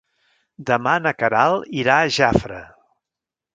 Demà na Queralt irà a Jafre.